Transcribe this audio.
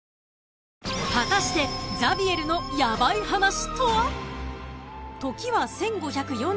［果たしてザビエルのヤバい話とは？］